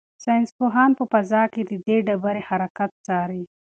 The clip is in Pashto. ساینس پوهان په فضا کې د دې ډبرې حرکت څاري.